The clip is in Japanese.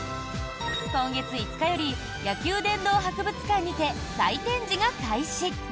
今月５日より野球殿堂博物館にて再展示が開始。